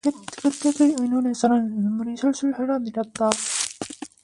그때 그 의눈에서는 눈물이 술술 흘러내렸다.